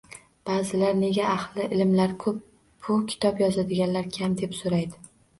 Ba’zilar: “Nega ahli ilmlar ko‘p-u, kitob yozadiganlar kam?” deb so‘raydi.